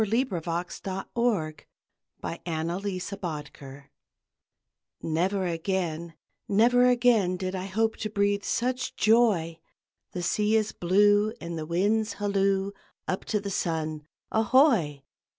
SEA RHAPSODY (Out of Hong kong) Never again, never again Did I hope to breathe such joy! The sea is blue and the winds halloo Up to the sun "Ahoy!"